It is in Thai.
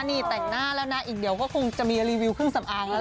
นี่แต่งหน้าแล้วนะอีกเดี๋ยวก็คงจะมีรีวิวเครื่องสำอางแล้ว